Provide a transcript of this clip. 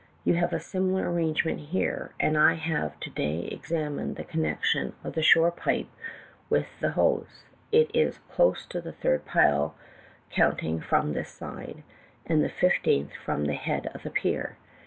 You have a similar arrangement here, and I have to day examined the connection of the shore pipe with the hose; it is close to the third pile, counting from this side, and the fifteenth from the head of the pier.